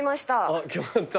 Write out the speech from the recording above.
あっ決まった。